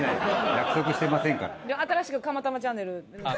約束してませんから。